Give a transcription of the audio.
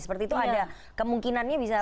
seperti itu ada kemungkinannya bisa